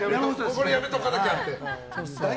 ここはやめておかなきゃって。